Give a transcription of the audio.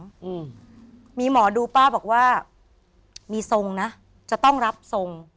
อืมมีหมอดูป้าบอกว่ามีทรงนะจะต้องรับทรง